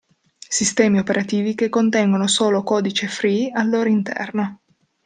Sistemi operativi che contengono solo codice free al loro interno.